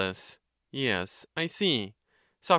Yes, I see. Soc.